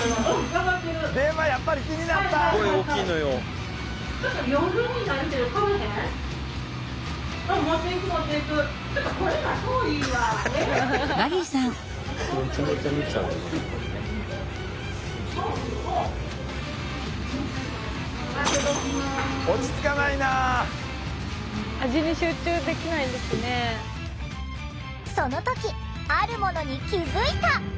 その時あるものに気付いた。